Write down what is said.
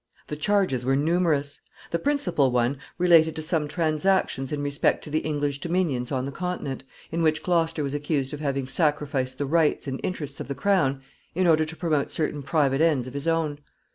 The charges were numerous. The principal one related to some transactions in respect to the English dominions on the Continent, in which Gloucester was accused of having sacrificed the rights and interests of the crown in order to promote certain private ends of his own.